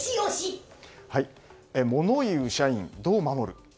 物言う社員、どう守る？